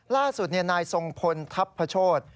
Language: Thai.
ล่าสุดเนี่ยนายทรงพลทัพพระโชธ